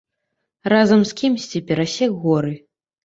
Разам з кімсьці перасек горы.